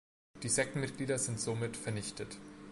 Die Sektenmitglieder sind somit vernichtet.